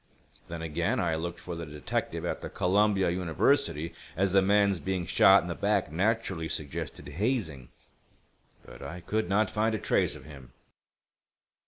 Then, again, I looked for the detective at the Columbia University, as the man's being shot in the back naturally suggested hazing. But I could not find a trace of him."